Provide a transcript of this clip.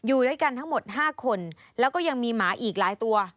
อยู่ด้วยกันทั้งหมด๕คนแล้วก็ยังมีหมาอีกหลายตัว